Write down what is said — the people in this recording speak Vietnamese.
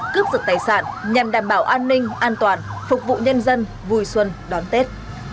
cướp giật tài sản nhằm đảm bảo an ninh an toàn phục vụ nhân dân vui xuân đón tết